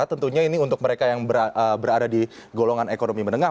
tentunya ini untuk mereka yang berada di golongan ekonomi menengah